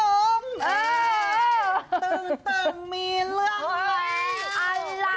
ตึงตึงมีเรื่องแล้ว